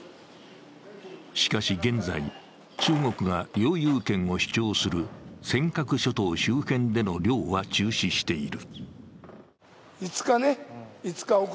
しかし現在、中国が領有権を主張する尖閣諸島周辺での漁は中止している。